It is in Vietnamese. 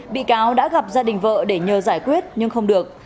bị cáo đã gặp gia đình vợ để nhờ giải quyết nhưng không được